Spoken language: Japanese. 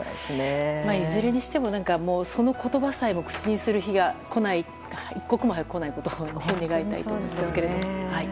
いずれにしても、その言葉さえも口にする日が一刻も早く来ないことを願いたいと思うんですけれども。